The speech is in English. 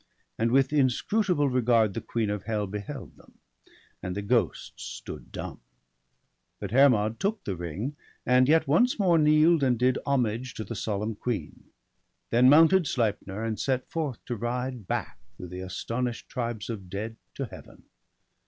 And with inscrutable regard the queen Of Hell beheld them, and the ghosts stood dumb. But Hermod took the ring, and yet once more Kneel'd and did homage to the solemn queen; Then mounted Sleipner, and set forth to ride Back, through the astonish'd tribes of dead, to Heaven.